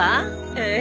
ええ。